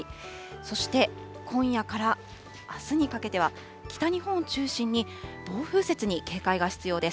そして今夜からあすにかけては、北日本を中心に暴風雪に警戒が必要です。